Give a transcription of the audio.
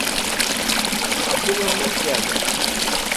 Abdur Rahman chairman